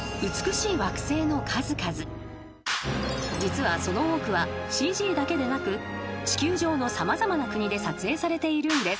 ［実はその多くはＣＧだけでなく地球上の様々な国で撮影されているんです］